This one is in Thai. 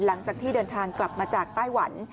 หลังจากที่เดินทางกลับมาจากไต้หวัน